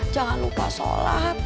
jangan lupa sholat